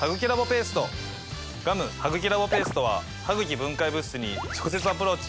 ガム・ハグキラボペーストはハグキ分解物質に直接アプローチ。